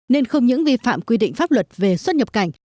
nên không những vi phạm quy định pháp luật về xuất nhập cảnh